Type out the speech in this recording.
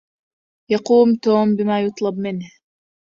يقوم توم بما يُطلب منه.